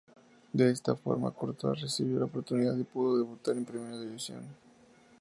De esta forma, Courtois recibió su oportunidad y pudo debutar en Primera División.